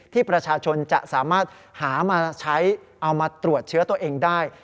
ที่ประชาชนจะสามารถหามาใช้เอามาตรวจเชื้อตัวเองได้